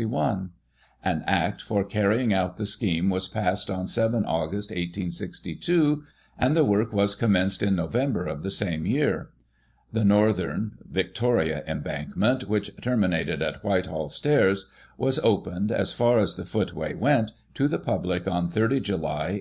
An Act for carrying out the scheme was passed on 7 Aug., 1862, and the work was conmienced in Nov. of the same year. The northern (Victoria) embankment^ which terminated at Whitehall Stair^, was opened (as far as the footway went) to the public on 30 July, 1868.